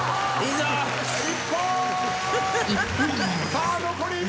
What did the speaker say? さあ残り１分！